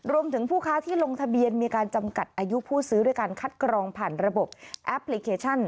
ผู้ค้าที่ลงทะเบียนมีการจำกัดอายุผู้ซื้อด้วยการคัดกรองผ่านระบบแอปพลิเคชัน